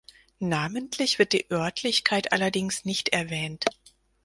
Namentlich wird die Örtlichkeit allerdings nicht erwähnt.